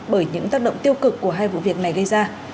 bởi những tác động tiêu cực của hai vụ việc này gây ra